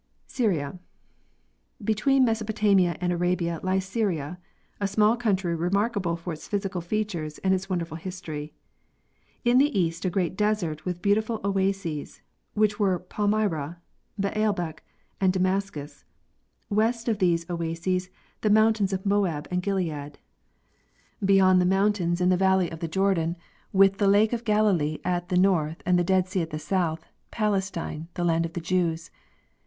Syria. Between Mesopotamia and Arabia lies. Syria, a small country remarkable for its physical features and its wonderful history. In the east a great desert with beautiful oases, where were Palmyra, Baalbec and Damascus; west of these oases the moun tains of Moab and Gilead; beyond the mountains in the valley 4 a eee ee The Birthplace of Commerce and Letters. i) of the Jordan, with the lake of Gallilee at the north and the Dead sea at the south, Palestine, the land of the Jews.